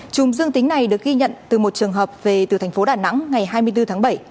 chùm dương tính này được ghi nhận từ một trường hợp về từ thành phố đà nẵng ngày hai mươi bốn tháng bảy